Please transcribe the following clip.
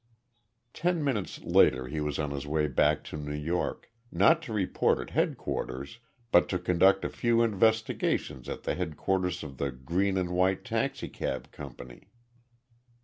Ten minutes later he was on his way back to New York, not to report at headquarters, but to conduct a few investigations at the headquarters of the Green and White Taxicab Company.